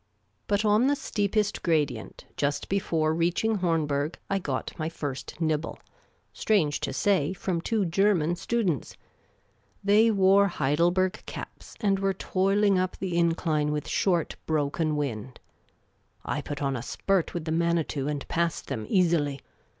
But on the steepest gradient, just before reaching Hornberg, I got my first nibble — strange to say, from two German students ; they wore Heidelberg caps, and were toiling up the incline with short, broken wind; I put on a spurt with the Manitou, and passed them easily.